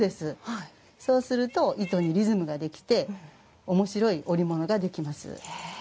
そうすると糸にリズムができておもしろい織物ができます。